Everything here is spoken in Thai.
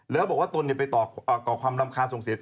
แล้วบอกว่าตนเนี่ยไปต่อก่อความรำคาญส่งเสร็จ